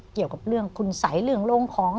เกี่ยวกับเรื่องคุณสัยเรื่องโรงของ